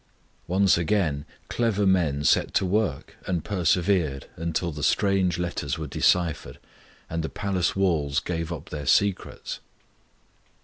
Once again clever men set to work and persevered until the strange letters were deciphered, and the palace walls gave up their secrets.